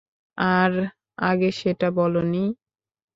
আর আগে সেটা বল নি?